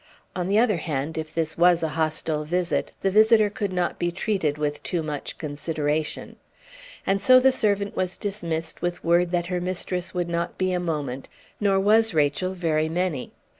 On the other hand, if this was a hostile visit, the visitor could not be treated with too much consideration. And so the servant was dismissed with word that her mistress would not be a moment; nor was Rachel very many.